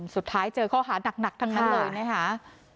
สุดท้ายเจอข้อหานักทั้งนั้นเลยนะคะ